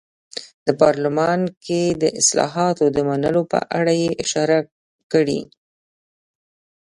د پارلمان کې د اصلاحاتو د منلو په اړه یې اشاره کړې.